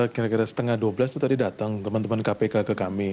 kira kira setengah dua belas itu tadi datang teman teman kpk ke kami